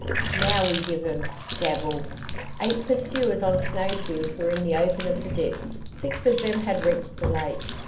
"Now we give 'em devil!" Eight pursuers on snow shoes were in the open of the dip. Six of them had reached the lake.